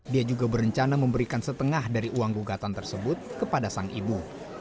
dia juga berencana memberikan setengah dari uang gugatan tersebut kepada sang ibu